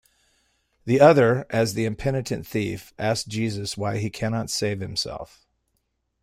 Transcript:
The other, as the impenitent thief, asks Jesus why he cannot save himself.